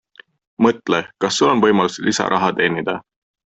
Mõtle, kas Sul on võimalus lisaraha teenida.